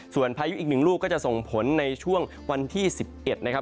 ส่วนพายุอีก๑ลูกก็จะส่งผลในช่วงวันที่๑๑นะครับ